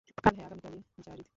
কাল হ্যাঁ, আগামীকালই যারীদ!